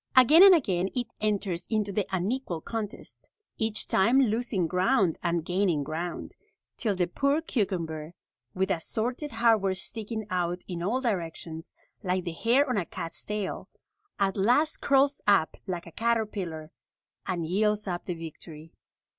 Again and again it enters into the unequal contest, each time losing ground and gaining ground, till the poor cucumber, with assorted hardware sticking out in all directions, like the hair on a cat's tail, at last curls up like a caterpillar and yields up the victory.